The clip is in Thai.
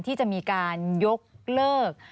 ที่จะมีการยกเลิก